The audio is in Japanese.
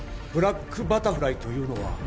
ブラックバタフライというのは？